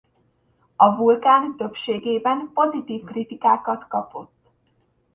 A vulkán többségében pozitív kritikákat kapott.